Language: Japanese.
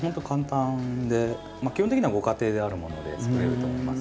基本的にはご家庭であるもので作れると思います。